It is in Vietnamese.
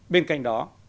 bên cạnh đó